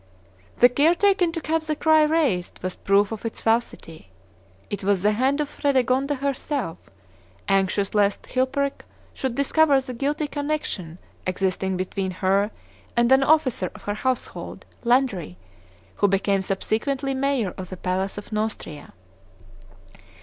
The care taken to have the cry raised was proof of its falsity; it was the hand of Fredegonde herself, anxious lest Chilperic should discover the guilty connection existing between her and an officer of her household, Landry, who became subsequently mayor of the palace of Neustria.